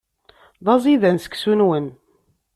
D aẓidan seksu-nwen.